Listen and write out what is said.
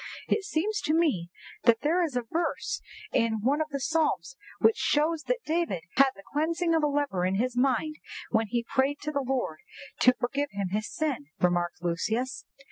"It seems to me that there is a verse in one of the Psalms which shows that David had the cleansing of a leper in his mind when he prayed to the Lord to forgive him his sin," remarked Lucius.